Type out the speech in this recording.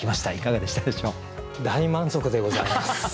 大満足でございます。